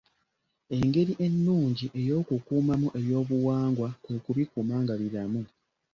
Engeri ennungi ey'okukuumamu ebyobuwangwa kwe kubikuuma nga biramu.